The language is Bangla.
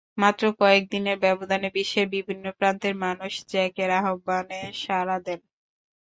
মাত্র কয়েক দিনের ব্যবধানে বিশ্বের বিভিন্ন প্রান্তের মানুষ জ্যাকের আহ্বানে সাড়া দেন।